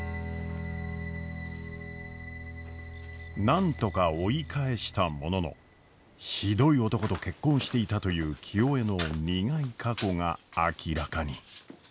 なんとか追い返したもののひどい男と結婚していたという清恵の苦い過去が明らかに。